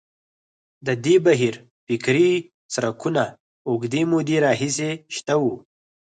د دې بهیر فکري څرکونه اوږدې مودې راهیسې شته وو.